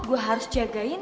gue harus jagain